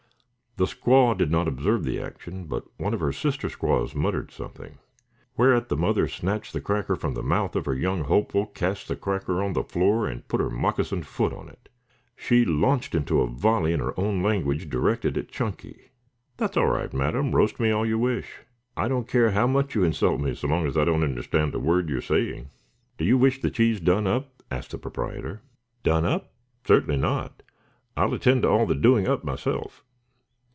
The squaw did not observe the action, but one of her sister squaws muttered something, whereat the mother snatched the cracker from the mouth of her young hopeful, cast the cracker on the floor and put her moccasined foot on it. She launched into a volley in her own language, directed at Chunky. "That's all right, madam. Roast me all you wish. I don't care how much you insult me so long as I don't understand a word you are saying." "Do you wish the cheese done up?" asked the proprietor. "Done up? Certainly not. I'll attend to the doing up myself."